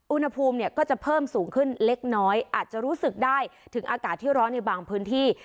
อุณหภูมิเนี่ยก็จะเพิ่มสูงขึ้นเล็กน้อยอาจจะรู้สึกได้ถึงอากาศที่ร้อนในบางพื้นที่